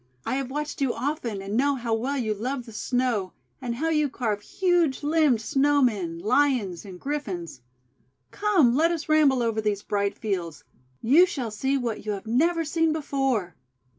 I have watched you often, and know how well you love the Snow, and how you carve huge limbed SnowT men, Lions, and Griffins. Come, let us ramble over these bright fields. You shall see what you have never seen before."